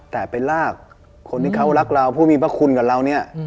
แต่ไปลากคนที่เขารักเราผู้มีพระคุณกับเราเนี่ย